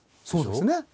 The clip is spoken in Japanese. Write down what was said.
そうですね。